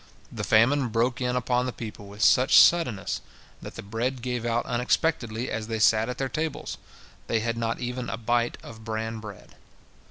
The famine broke in upon the people with such suddenness that the bread gave out unexpectedly as they sat at their tables, they had not even a bite of bran bread.